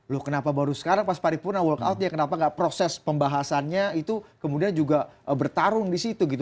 loh kenapa baru sekarang pas paripurna walkout ya kenapa nggak proses pembahasannya itu kemudian juga bertarung di situ gitu